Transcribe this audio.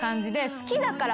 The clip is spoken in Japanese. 好きだから？